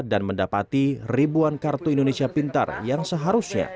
mendapati ribuan kartu indonesia pintar yang seharusnya